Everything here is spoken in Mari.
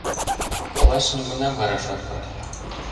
Колаш нигунам вараш от код.